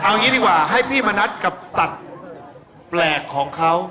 เอางี้ดีกว่าให้พี่มณัฐกับสัตว์แปลกของเขา